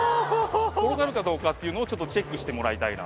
転がるかどうかっていうのをちょっとチェックしてもらいたいな。